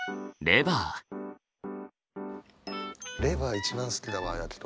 レバー一番好きだわ焼き鳥で。